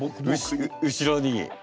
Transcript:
後ろに。